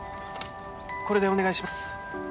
これでお願いします